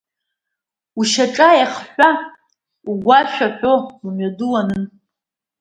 Ушьаҿа еихҳәа, угәы ашәа аҳәо лымҩаду уанын.